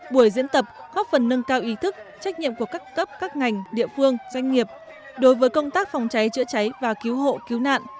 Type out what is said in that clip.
buổi diễn tập góp phần nâng cao ý thức trách nhiệm của các cấp các ngành địa phương doanh nghiệp đối với công tác phòng cháy chữa cháy và cứu hộ cứu nạn